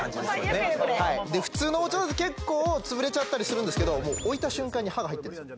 最悪やこれで普通の包丁だと結構つぶれちゃったりするんですけどもう置いた瞬間に刃が入ってるんですよ